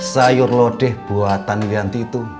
sayur lodeh buatan wianti itu